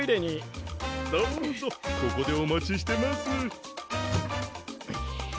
どうぞここでお待ちしてます。